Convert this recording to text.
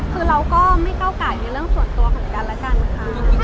คือเราก็ไม่ก้าวไก่ในเรื่องส่วนตัวของกันแล้วกันค่ะ